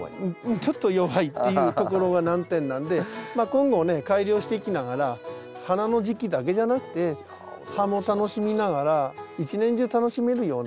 ちょっと弱いっていうところが難点なんで今後ね改良していきながら花の時期だけじゃなくて葉も楽しみながら一年中楽しめるような。